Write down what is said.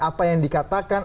apa yang dikatakan